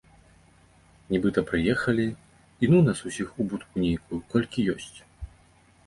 Нібыта прыехалі, і ну нас усіх у будку нейкую, колькі ёсць.